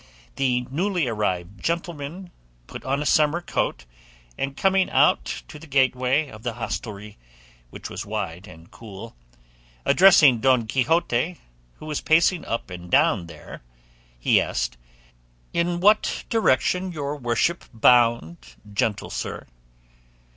The newly arrived gentleman put on a summer coat, and coming out to the gateway of the hostelry, which was wide and cool, addressing Don Quixote, who was pacing up and down there, he asked, "In what direction is your worship bound, gentle sir?"